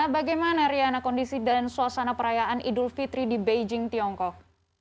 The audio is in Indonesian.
bagaimana riana kondisi dan suasana perayaan idul fitri di beijing tiongkok